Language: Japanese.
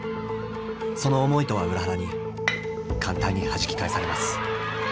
その思いとは裏腹に簡単にはじき返されます。